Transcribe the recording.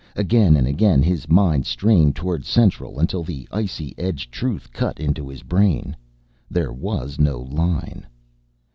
Again and again his mind strained toward Central until the icy edged truth cut into his brain there was no line.